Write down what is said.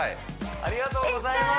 ありがとうございます！